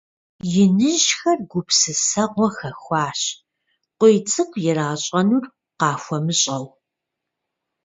Иныжьхэр гупсысэгъуэ хэхуащ, КъуийцӀыкӀу иращӀэнур къахуэмыщӀэу.